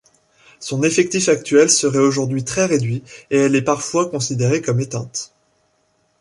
Son effectif actuel serait aujourd'hui très réduit et elle est parfois considérée comme éteinte.